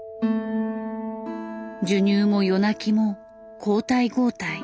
授乳も夜泣きも交代交代。